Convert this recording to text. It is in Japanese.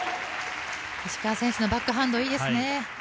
石川選手のバックハンドいいですね。